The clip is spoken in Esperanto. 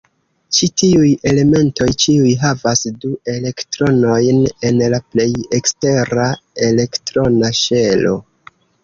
Ĉi-tiuj elementoj ĉiuj havas du elektronojn en la plej ekstera elektrona ŝelo.